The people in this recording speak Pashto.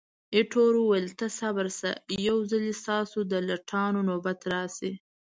ایټور وویل، ته صبر شه، یو ځلي ستاسو د لټانو نوبت راشي.